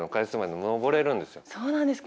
そうなんですか。